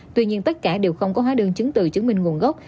tuy nhiên tất cả đều không có hóa đơn chứng từ chứng minh nguồn gốc